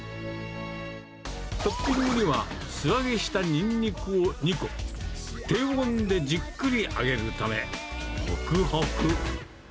トッピングには、素揚げしたニンニクを２個、低温でじっくり揚げるため、ほくほく。